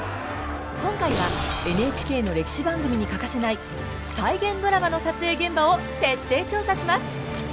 今回はＮＨＫの歴史番組に欠かせない再現ドラマの撮影現場を徹底調査します！